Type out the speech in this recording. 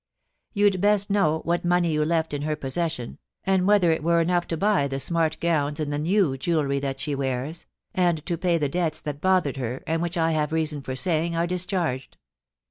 * You'd best know what money you left in her possession, and whether it were enough to buy the smart gowns and the new jewellery that she wears, and to pay the debts that bothered her, and which I have reason for saying are dis charged.